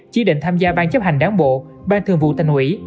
chỉ định tham gia ban chấp hành đảng bộ ban thường vụ thành ủy